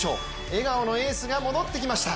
笑顔のエースが戻ってきました。